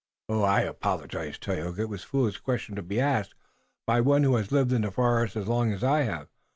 "I apologize, Tayoga. It was a foolish question to be asked by one who has lived in the forest as long as I have.